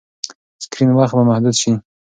سکرین وخت به محدود شي.